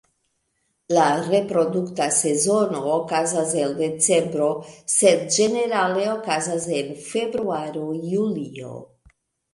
La reprodukta sezono okazas el decembro, sed ĝenerale okazas en februaro-julio.